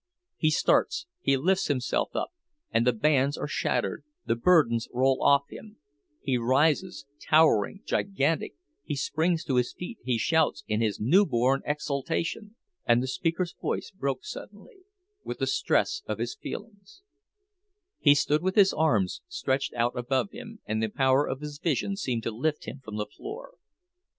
He starts, he lifts himself; and the bands are shattered, the burdens roll off him—he rises—towering, gigantic; he springs to his feet, he shouts in his newborn exultation—" And the speaker's voice broke suddenly, with the stress of his feelings; he stood with his arms stretched out above him, and the power of his vision seemed to lift him from the floor.